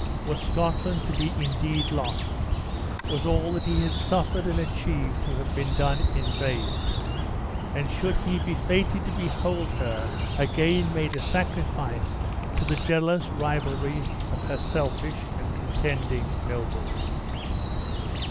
Was Scotland to be indeed lost? Was all that he had suffered and achieved to have been done in vain? and should he be fated to behold her again made a sacrifice to the jealous rivalry of her selfish and contending nobles?